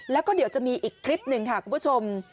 แล้วก็เดี๋ยวจะมีอีกคลิปหนึ่งค่ะคุณผู้ชม